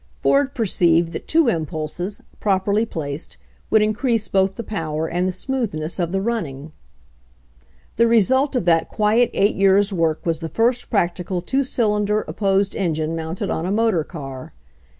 Ford perceived that two impulses, properly placed, would increase both the power and the smoothness of the running. The result of that quiet eight years' work was the first practical two cylinder opposed engine mounted on a motor car.